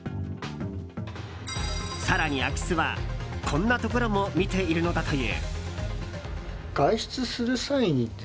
更に空き巣は、こんなところも見ているのだという。